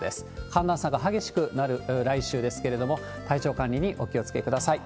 寒暖差が激しくなる来週ですけれども、体調管理にお気をつけください。